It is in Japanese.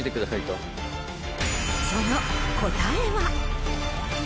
その答えは。